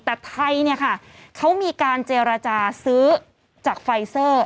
แต่ไทยเขามีการเจรจาซื้อจากไฟซอร์